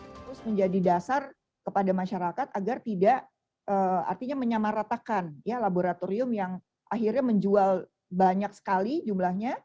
harus menjadi dasar kepada masyarakat agar tidak artinya menyamaratakan ya laboratorium yang akhirnya menjual banyak sekali jumlahnya